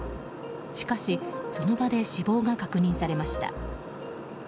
しかし、その場で死亡が確認されました。